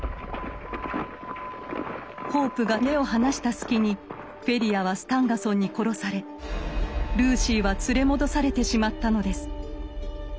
ホープが目を離した隙にフェリアはスタンガソンに殺されルーシーは連れ戻されてしまったのです。